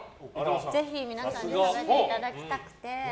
ぜひ皆さんに食べていただきたくて。